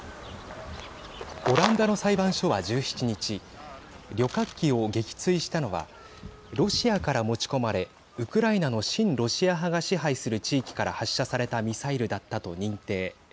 オランダの裁判所は１７日旅客機を撃墜したのはロシアから持ち込まれウクライナの親ロシア派が支配する地域から発射されたミサイルだったと認定。